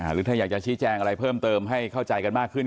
หรือถ้าอยากจะชี้แจงอะไรเพิ่มเติมให้เข้าใจกันมากขึ้น